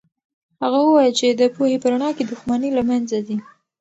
هغه وویل چې د پوهې په رڼا کې دښمني له منځه ځي.